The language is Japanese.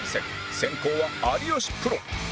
先攻は有吉プロ